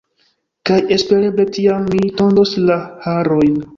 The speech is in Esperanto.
Kaj espereble tiam mi tondos la harojn.